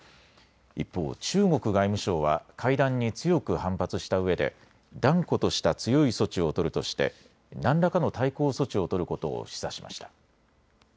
一方、中国外務省は会談に強く反発したうえで断固とした強い措置を取るとして何らかの対抗措置を取ることを示唆しました。